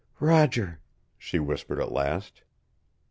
"Roger," she whispered at last.